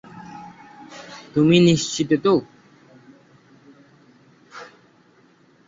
তুমি নিশ্চিত তো?